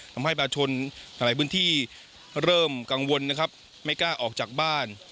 ทำให้บาชนหลายพื้นที่เริ่มกังวลนะครับไม่กล้าออกจากบ้าน